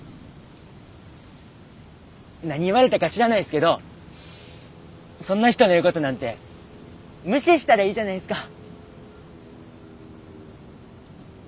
何言われたか知らないっすけどそんな人の言うことなんて無視したらいいじゃないっすか。